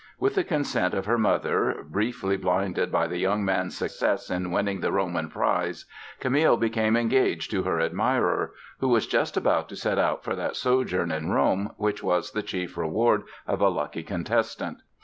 With the consent of her mother, briefly blinded by the young man's success in winning the Roman Prize, Camille became engaged to her admirer, who was just about to set out for that sojourn in Rome which was the chief reward of a lucky contestant.